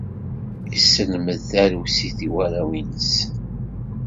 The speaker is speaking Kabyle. Yesselmed tarusit i warraw-ines.